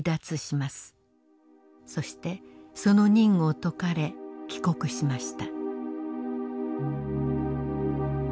そしてその任を解かれ帰国しました。